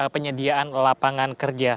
penyediaan lapangan kerja